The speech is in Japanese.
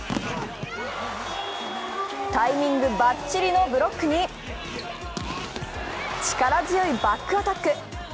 タイミングばっちりのブロックに、力強いバックアタック。